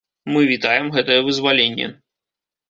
Мы вітаем гэтае вызваленне.